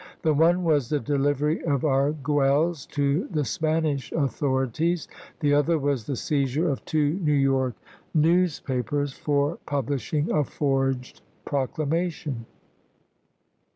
The one was the delivery of Arguelles to the Spanish authorities; the other was the seizure of two New York news THE CLEVELAND CONVENTION 45 papers for publishing a forged proclamation.